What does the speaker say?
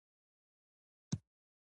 یوه ورځ چې ناجیه د مینې تر څنګ ناسته وه